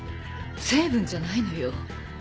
成分じゃないのよ。